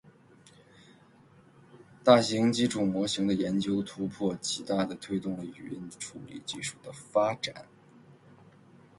大型基础模型的研究突破，极大地推动了语音处理技术的发展。